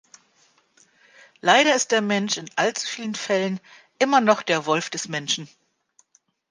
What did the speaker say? Leider ist der Mensch in allzu vielen Fällen immer noch der Wolf des Menschen.